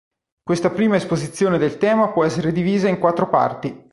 Questa prima esposizione del tema può essere divisa in quattro parti.